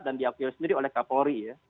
dan diakui sendiri oleh kapolri ya